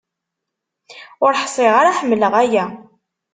Ur ḥṣiɣ ara ḥemleɣ aya.